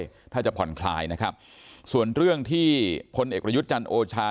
ขึ้นมาด้วยถ้าจะผ่อนคลายนะครับส่วนเรื่องที่คนเอกรยุทธจันทร์โอชา